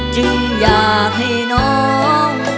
จึงอยากให้น้อง